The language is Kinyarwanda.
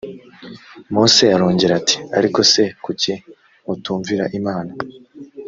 mose arongera ati ariko se kuki mutumvira imana‽